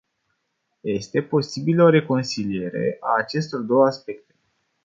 Este posibilă o reconciliere a acestor două aspecte.